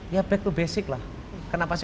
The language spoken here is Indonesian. ya kembali ke dasar kenapa sih